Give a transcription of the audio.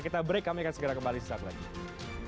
kita break kami akan segera kembali setelah itu